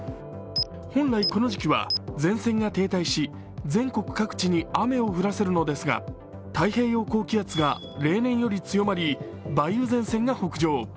本来この時期は前線が停滞し、全国各地に雨を降らせるのですが、太平洋高気圧が例年より強まり、梅雨前線が北上。